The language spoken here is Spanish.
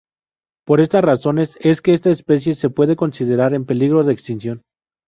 Por estas razones es que esta especie se puede considerar en peligro de extinción.